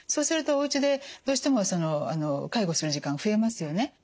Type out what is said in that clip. するとおうちでどうしても介護する時間増えますよね。